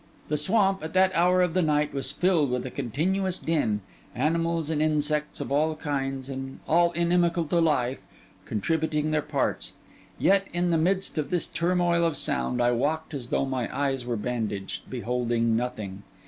The swamp, at that hour of the night, was filled with a continuous din: animals and insects of all kinds, and all inimical to life, contributing their parts. Yet in the midst of this turmoil of sound, I walked as though my eyes were bandaged, beholding nothing.